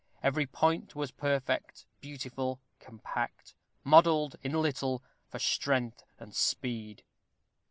Every point was perfect, beautiful, compact; modelled, in little, for strength and speed.